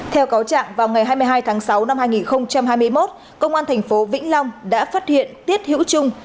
theo cáo trạng vào ngày hai mươi hai tháng sáu năm hai nghìn hai mươi một công an tp vĩnh long đã phát hiện tiết hữu trung